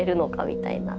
みたいな。